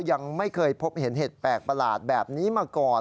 ยังไม่เคยพบเห็นเห็ดแปลกประหลาดแบบนี้มาก่อน